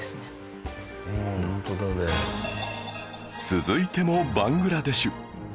続いてもバングラデシュ